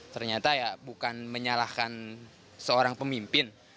ternyata ya bukan menyalahkan seorang pemimpin